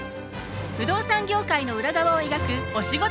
不動産業界の裏側を描くお仕事